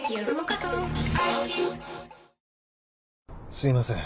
すいません